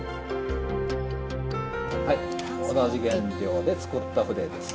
はい同じ原料で作った筆です。